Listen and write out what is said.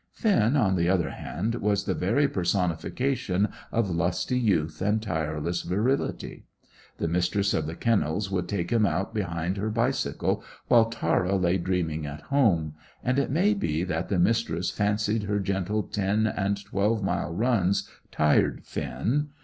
Finn, on the other hand, was the very personification of lusty youth and tireless virility. The Mistress of the Kennels would take him out behind her bicycle, while Tara lay dreaming at home, and it may be that the Mistress fancied her gentle ten and twelve mile runs tired Finn.